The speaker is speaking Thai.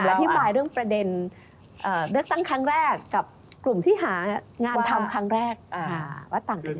กับกลุ่มที่หางานทำครั้งแรกว่าต่างกันเป็นไร